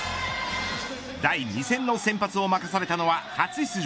第２戦の先発を任されたのは初出場